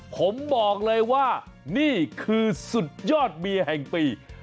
ผมบอกเลยว่านี่คือสุดยอดเมียแห่งปี